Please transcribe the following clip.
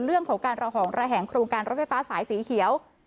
เรื่องของการระห่องระแหงโครงการรถไฟฟ้าสายสีเขียว